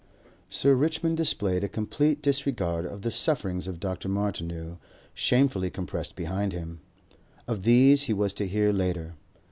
Section 3 Sir Richmond displayed a complete disregard of the sufferings of Dr. Martineau, shamefully compressed behind him. Of these he was to hear later.